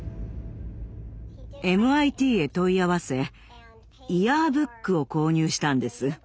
ＭＩＴへ問い合わせイヤーブックを購入したんです。